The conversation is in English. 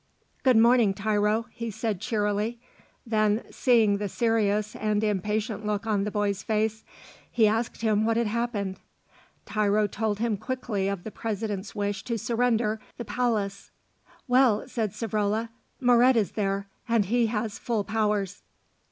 "Good morning, Tiro," he said cheerily, then, seeing the serious and impatient look on the boy's face, he asked him what had happened. Tiro told him quickly of the President's wish to surrender the palace. "Well," said Savrola, "Moret is there, and he has full powers."